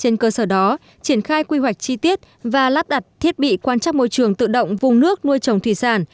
trên cơ sở đó triển khai quy hoạch chi tiết và lắp đặt thiết bị quan trắc môi trường tự động vùng nước nuôi trồng thủy sản